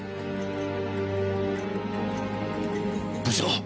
部長！